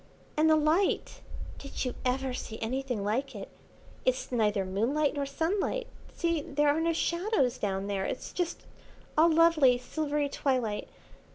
"And the light! Did you ever see anything like it? It's neither moonlight nor sunlight. See, there are no shadows down there, it's just all lovely silvery twilight.